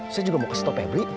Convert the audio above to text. saya juga mau ke stop febri